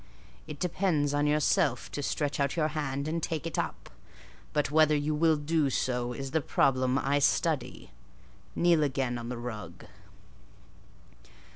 It depends on yourself to stretch out your hand, and take it up: but whether you will do so, is the problem I study. Kneel again on the rug."